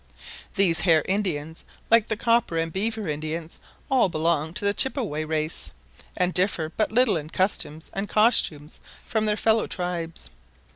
These Hare Indians, like the Copper and Beaver Indians, all belong to the Chippeway race, and differ but little in customs and costumes from their fellow tribes.